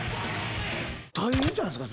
大変じゃないですか？